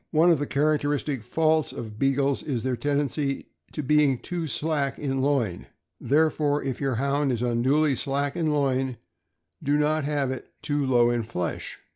One of the characteristic faults of Bea gles is their tendency to being too slack in loin; therefore, if your Hound is unduly slack in loin, do not have it too low in flesh.